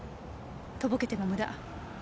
とぼけても無駄。